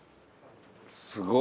すごい！